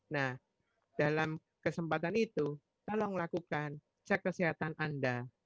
nah dalam kesempatan itu tolong lakukan cek kesehatan anda